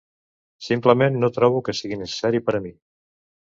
Simplement no trobo que sigui necessari per a mi.